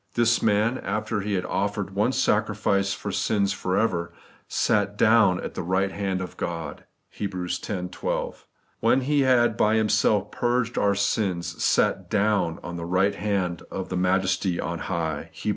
* This man, after He had offered one sacrifice for sins for ever, SAT DOWN at the right hand of Gk)d' (Heb. x. 12). *When He had by Himself purged our sins, sat DOWN on the right hand of the Majesty on high ' (Heb.